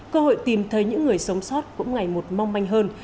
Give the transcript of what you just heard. cơ hội tìm thấy những người sống sót cũng ngày một mong manh hơn